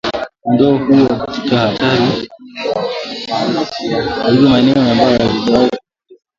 kondoo huwa katika hatari kuu ya kufa Hata hivyo katika maeneo ambayo hayajawahi kushuhudia